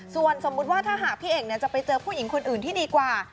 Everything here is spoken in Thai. ส่วนสมมุติว่าถ้าหากพี่เอกจะไปเจอผู้หญิงคนอื่นที่ดีกว่า